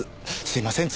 すいません